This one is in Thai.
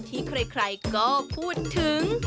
ที่ใครก็พูดถึง